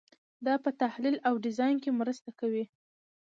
دا په تحلیل او ډیزاین کې مرسته کوي.